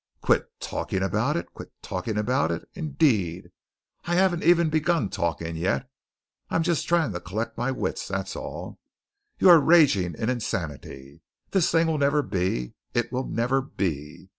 "Quit talking about it? Quit talking about it? Indeed, I haven't even begun talking yet. I am just trying to collect my wits, that's all. You are raging in insanity. This thing will never be. It will nev er be.